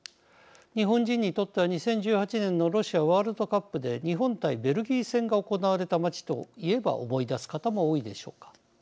日本人にとっては２０１８年のロシアワールドカップで日本対ベルギー戦が行われた街といえば思い出す方も多いでしょうか。